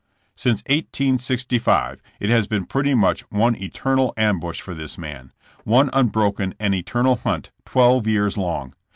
Since 1865 it has been pretty much one eternal ambush for this man— one unbroken and eternal hunt twelve years long.